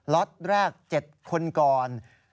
ล็อตแรก๗คนก่อน